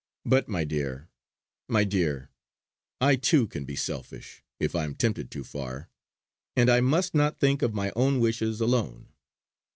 But, my dear! my dear! I too can be selfish if I am tempted too far; and I must not think of my own wishes alone.